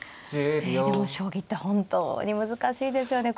えでも将棋って本当に難しいですよね。